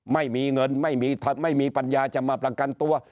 ไม่มีเงินไม่มีภัทรไม่มีปัญญาจะมาปลังกันตัว